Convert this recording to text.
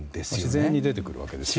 自然に出てくるわけですね。